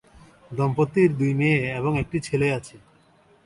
দম্পতির দুই মেয়ে এবং একটি ছেলে আছে।